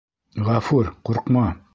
Ғәфүр, ҡурҡма!